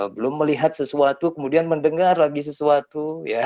belum melihat sesuatu kemudian mendengar lagi sesuatu